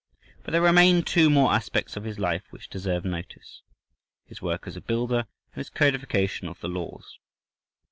But there remain two more aspects of his life which deserve notice—his work as a builder and his codification of the laws.